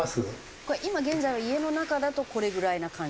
これ今現在は家の中だとこれぐらいな感じ？